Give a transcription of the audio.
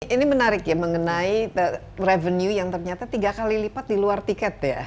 ini menarik ya mengenai revenue yang ternyata tiga kali lipat di luar tiket ya